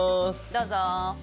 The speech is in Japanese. どうぞ！